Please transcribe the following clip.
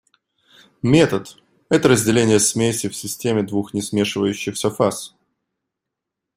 Метод – это разделение смеси в системе двух несмешивающихся фаз.